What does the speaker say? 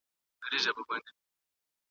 د نري رنځ ناروغ باید خوله پټه کړي.